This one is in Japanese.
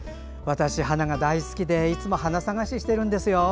私、花が大好きでいつも花探ししてるんですよ。